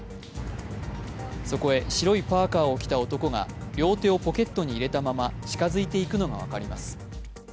そこへ白いパーカーを着た男が両手をポケットに入れたまま近づいていくのが分かります。